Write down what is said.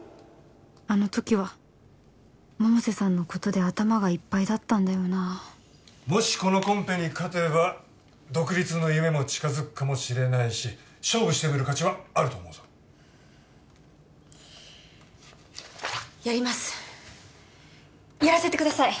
あの時は百瀬さんのことで頭がいっぱいだったんだよなもしこのコンペに勝てば独立の夢も近づくかもしれないし勝負してみる価値はあると思うぞやりますやらせてください